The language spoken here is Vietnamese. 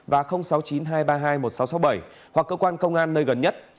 và sáu mươi chín hai trăm ba mươi hai một nghìn sáu trăm sáu mươi bảy hoặc cơ quan công an nơi gần nhất